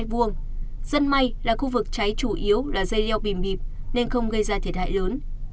dân may là khu vực cháy chủ yếu là dây leo bìm nên không gây ra thiệt hại lớn